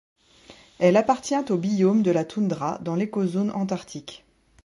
Elle appartient au biome de la toundra dans l'écozone antarctique.